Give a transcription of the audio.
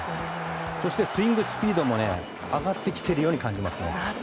そして、スイングスピードも上がってきているように感じますね。